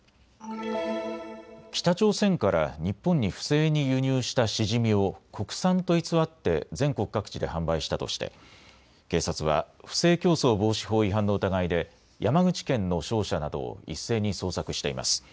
北朝鮮から日本に不正に輸入したシジミを国産と偽って全国各地で販売したとして警察は不正競争防止法違反の疑いで山口県の商社などを一斉に捜索しています。